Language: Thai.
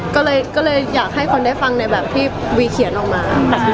ก็เลยอยากให้คนได้ฟังในแบบที่วีเขียนออกมา